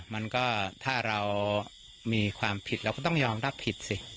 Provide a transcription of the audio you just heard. มันก็ถ้าเรามีความผิดเราก็ต้องยอมรับผิดสิ